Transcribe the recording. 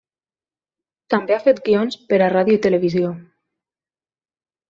També ha fet guions per a ràdio i televisió.